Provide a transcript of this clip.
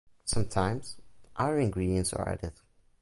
Sometimes other ingredients are added.